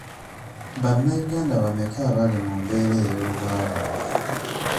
Bannayuganda bameka abali mu mbeera ey'obwavu.